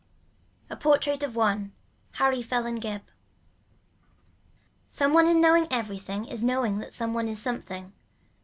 A PORTRAIT OF ONE HARRY PHELAN GIBB Some one in knowing everything is knowing that some one is something.